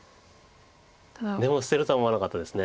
でも捨てるとは思わなかったです。